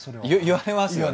言われますよね？